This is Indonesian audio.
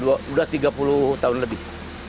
sudah tiga puluh tahun lebih